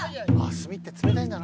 墨って冷たいんだな。